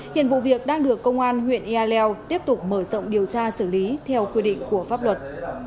hiện vụ việc đang được công an huyện ea leo tiếp tục mở rộng điều tra xử lý theo quy định của pháp luật